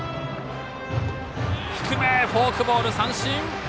低めフォークボール、三振。